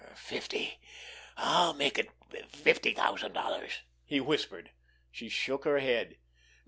"Fifty—I—I'll make it fifty thousand dollars," he whispered. She shook her head.